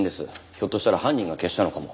ひょっとしたら犯人が消したのかも。